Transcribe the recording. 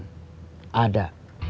dan masih akan ada